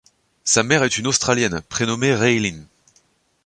Sa mère est une australienne prénommée Raeleen.